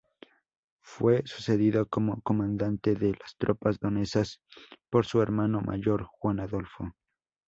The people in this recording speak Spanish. Fue sucedido como comandante de las tropas danesas por su hermano mayor Juan Adolfo.